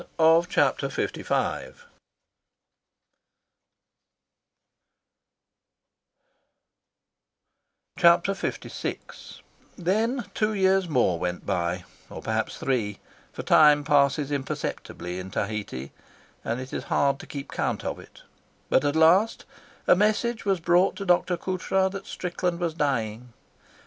Chapter LVI Then two years more went by, or perhaps three, for time passes imperceptibly in Tahiti, and it is hard to keep count of it; but at last a message was brought to Dr. Coutras that Strickland was dying.